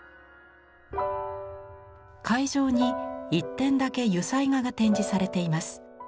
会場に１点だけ油彩画が展示されています。